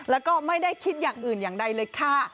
แล้วก็ไม่ได้คิดอย่างอื่นอย่างใดเลยค่ะ